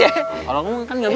tahu lagi pohonnya